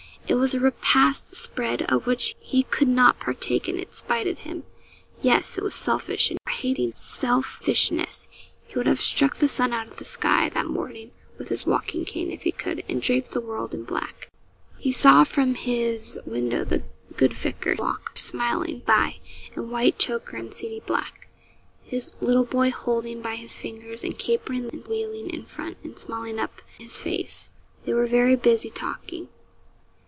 It was a repast spread of which he could not partake, and it spited him. Yes; it was selfish and hating selfishness he would have struck the sun out of the sky that morning with his walking cane, if he could, and draped the world in black. He saw from his window the good vicar walk smiling by, in white choker and seedy black, his little boy holding by his fingers, and capering and wheeling in front, and smiling up in his face. They were very busy talking.